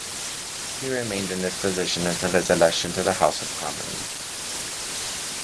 He remained in this position until his election to the House of Commons.